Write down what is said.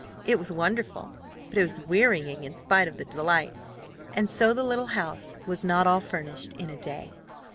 It was wonderful; but it was wearying in spite of the delight, and so the little house was not all furnished in a day.